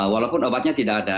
walaupun obatnya tidak ada